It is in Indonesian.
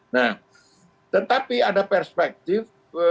nah tetapi ada perspektif